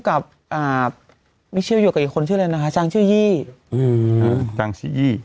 กับอ่ามิเชียวอยู่กับอีกคนชื่ออะไรนะคะช่างชื่อยี่อืม